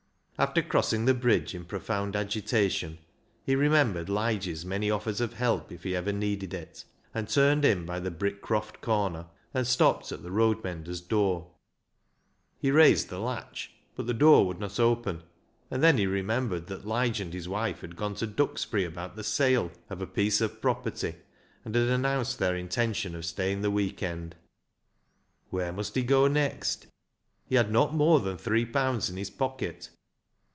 After crossing the bridge in profound agitation, he remembered Lige's many offers of help if he ever needed it, and turned in by the Brickcroft corner, and stopped at the road mender's door. He raised the latch, but the door would not open ; and he then remembered that Lige and his wife had gone to Duxbury about the sale of 224 BECKSIDE LIGHTS a piece of property, and had announced their intention of staying the week end. Where must he go next ? He had not more than three pounds in his pocket.